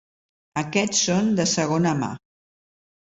Aquests són de segona mà.